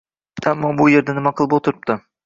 Ammo bu yerda nima qilib o’tiribdi?